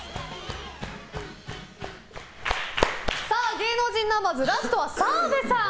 芸能人ナンバーズラストは澤部さん。